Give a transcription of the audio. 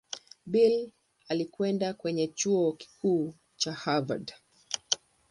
Bill akaenda kwenye Chuo Kikuu cha Harvard.